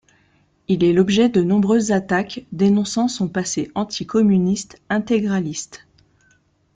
Il est l’objet de nombreuses attaques dénonçant son passé anticommuniste intégraliste.